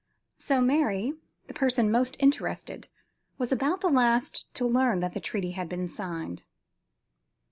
So Mary, the person most interested, was about the last to learn that the treaty had been signed.